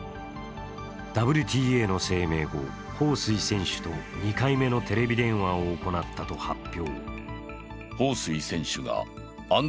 ＷＴＡの声明後、彭帥選手と２回目のテレビ電話を行ったと発表。